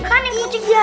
kan yang kuncing dia